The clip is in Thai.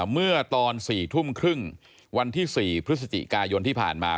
เมื่อตอน๔ทุ่มครึ่งวันที่๔พฤศจิกายนที่ผ่านมา